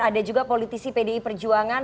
ada juga politisi pdi perjuangan